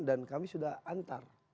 dan kami sudah antar